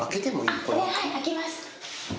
はい開けます。